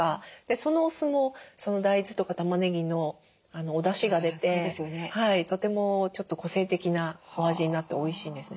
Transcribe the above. そのお酢も大豆とかたまねぎのおだしが出てとてもちょっと個性的なお味になっておいしいんですね。